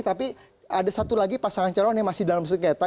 tapi ada satu lagi pasangan calon yang masih dalam sengketa